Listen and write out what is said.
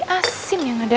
asin yang ada